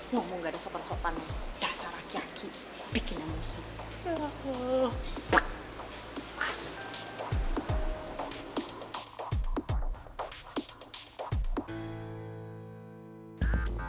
ngomong gak ada sopan sopan dasar aki aki bikin emosi